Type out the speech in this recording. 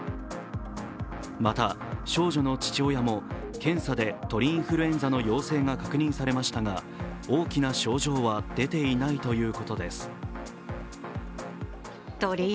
また少女の父親も検査で鳥インフルエンザの陽性が確認されましたが大きな症状は出ていないということです。